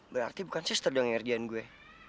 berarti bukan si seterdang erdian gue